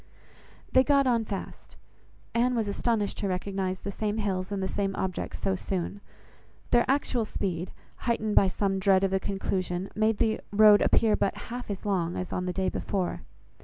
They got on fast. Anne was astonished to recognise the same hills and the same objects so soon. Their actual speed, heightened by some dread of the conclusion, made the road appear but half as long as on the day before.